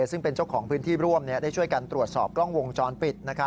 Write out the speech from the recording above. ซึ่งเป็นเจ้าของพื้นที่ร่วมได้ช่วยกันตรวจสอบกล้องวงจรปิด